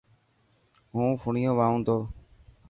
هون فڻنيون وائون تو.